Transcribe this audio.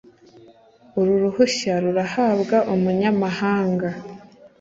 Uru ruhushya ruhabwa umunyamahanga